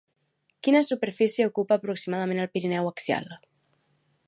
Quina superfície ocupa aproximadament el Pirineu Axial?